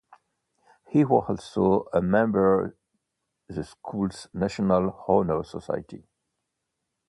He was also a member the school's National Honor Society.